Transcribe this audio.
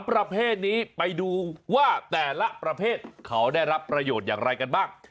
ประเภทนี้ไปดูว่าแต่ละประเภทเขาได้รับประโยชน์อย่างไรกันบ้าง